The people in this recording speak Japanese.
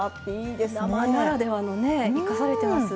生ならではのね生かされてます。